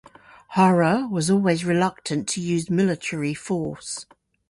Hara was always reluctant to use military force.